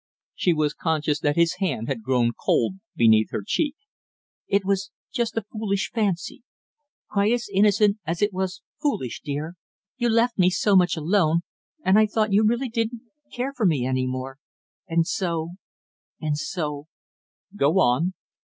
She was conscious that his hand had grown cold beneath her cheek. "It was just a foolish fancy, quite as innocent as it was foolish, dear; you left me so much alone, and I thought you really didn't care for me any more, and so and so " "Go on!"